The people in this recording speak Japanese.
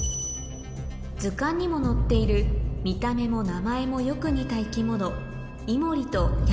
図鑑にも載っている見た目も名前もよく似た生き物